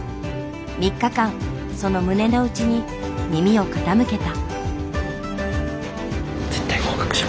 ３日間その胸のうちに耳を傾けた。